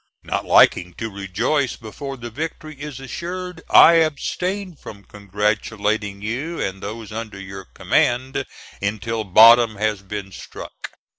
Not liking to rejoice before the victory is assured, I abstain from congratulating you and those under your command, until bottom has been struck.